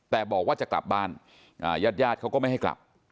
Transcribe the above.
แต่บอกว่าจะกลับบ้านญาติญาติเขาก็ไม่ให้กลับ